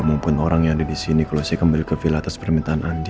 maupun orang yang ada di sini kalau saya kembali ke villa atas permintaan andi